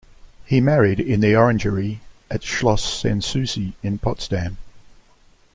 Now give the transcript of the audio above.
He married in the Orangerie at Schloss Sanssouci in Potsdam.